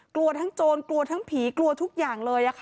กลัวทั้งโจรกลัวทั้งผีกลัวทุกอย่างเลยค่ะ